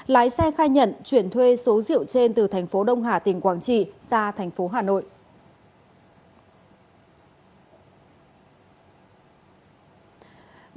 lái xe khai nhận chuyển thuê số rượu trên từ thành phố đông hà tỉnh quảng trị ra thành phố hà nội